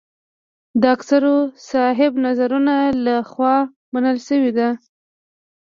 د اکثرو صاحب نظرانو له خوا منل شوې ده.